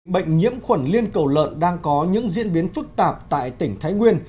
bệnh nhiễm khuẩn liên cầu lợn đang có những diễn biến phức tạp tại tỉnh thái nguyên